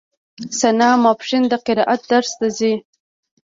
ثنا ماسپښين د قرائت درس ته ځي.